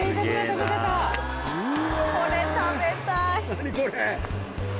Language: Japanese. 何これ！